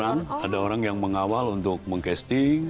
sekarang ada orang yang mengawal untuk meng casting